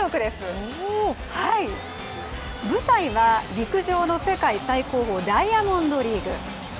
舞台は陸上の世界最高峰ダイヤモンドリーグ。